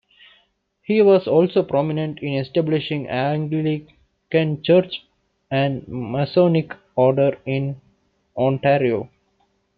He was also prominent in establishing the Anglican Church and Masonic Order in Ontario.